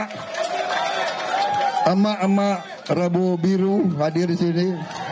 sama sama rabu biru hadir di sini